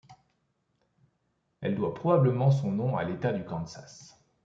Elle doit probablement son nom à l'État du Kansas.